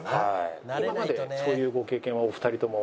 今までそういうご経験はお二人とも。